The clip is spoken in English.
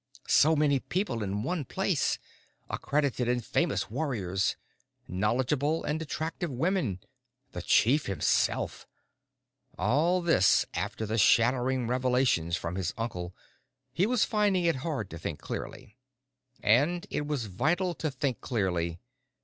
So many people in one place, accredited and famous warriors, knowledgeable and attractive women, the chief himself, all this after the shattering revelations from his uncle he was finding it hard to think clearly. And it was vital to think clearly.